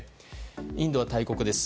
インドは大国です。